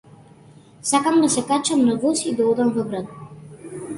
Сакам да се качам на воз и да одам во град.